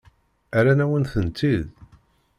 Rran-awen-tent-id?